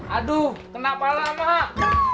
aduh kenapa lah mak